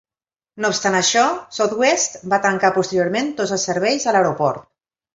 No obstant això, Southwest va tancar posteriorment tot els serveis a l'aeroport.